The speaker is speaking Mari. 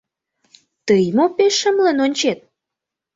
Тый мо пеш шымлен ончет?